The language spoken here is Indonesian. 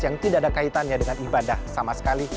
yang tidak ada kaitannya dengan ibadah sama sekali